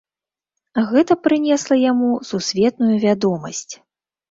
Гэта прынесла яму сусветную вядомасць.